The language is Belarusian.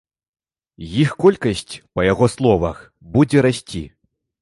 Іх колькасць, па яго словах, будзе расці.